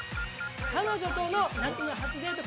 彼女との夏の初デート